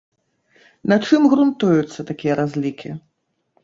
На чым грунтуюцца такія разлікі?